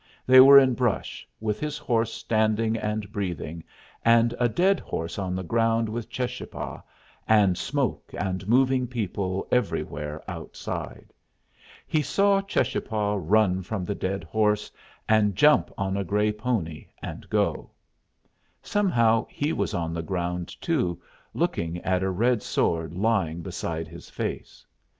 They were in brush, with his horse standing and breathing, and a dead horse on the ground with Cheschapah, and smoke and moving people everywhere outside. He saw Cheschapah run from the dead horse and jump on a gray pony and go. Somehow he was on the ground too, looking at a red sword lying beside his face.